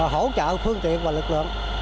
hỗ trợ phương tiện và lực lượng